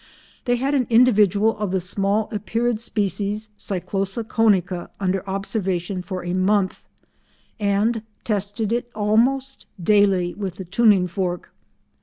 They had an individual of the small Epeirid species Cyclosa conica under observation for a month, and tested it almost daily with the tuning fork.